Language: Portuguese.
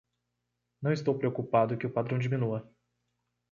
Não estou preocupado que o padrão diminua.